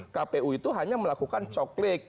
kpu itu hanya melakukan coklik